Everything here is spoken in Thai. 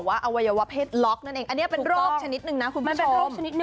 อันเนี่ยเป็นโรคชนิดหนึ่งนะคุณผู้ชม